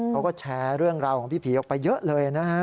เขาก็แชร์เรื่องราวของพี่ผีออกไปเยอะเลยนะฮะ